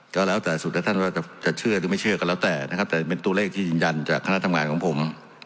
ก็แล้วแต่สุดแล้วท่านว่าจะเชื่อหรือไม่เชื่อก็แล้วแต่นะครับแต่เป็นตัวเลขที่ยืนยันจากคณะทำงานของผม